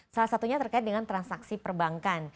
salah satunya terkait dengan transaksi perbankan